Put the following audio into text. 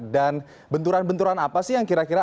dan benturan benturan apa sih yang kira kira